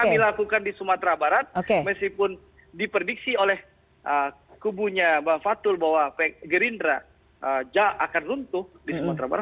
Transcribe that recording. kami lakukan di sumatera barat meskipun diprediksi oleh kubunya bang fatul bahwa gerindra akan runtuh di sumatera barat